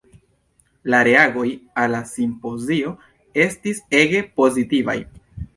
La reagoj al la simpozio estis ege pozitivaj.